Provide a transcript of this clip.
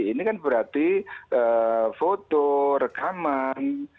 ini kan berarti foto rekaman